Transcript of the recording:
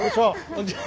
こんにちは。